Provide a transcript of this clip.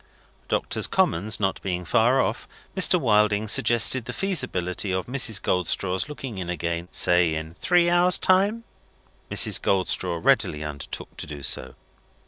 Doctors' Commons not being far off, Mr. Wilding suggested the feasibility of Mrs. Goldstraw's looking in again, say in three hours' time. Mrs. Goldstraw readily undertook to do so.